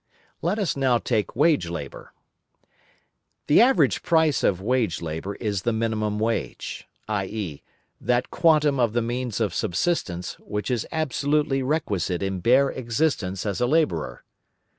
Let us now take wage labour. The average price of wage labour is the minimum wage, i.e., that quantum of the means of subsistence, which is absolutely requisite in bare existence as a labourer.